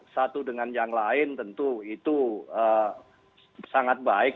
satu dengan yang lain tentu itu sangat baik